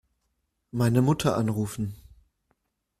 Meine Mutter anrufen.